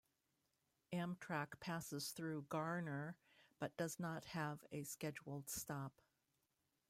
Amtrak passes through Garner but does not have a scheduled stop.